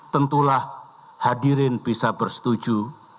tentulah hadirin bisa bersetuju